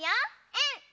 うん！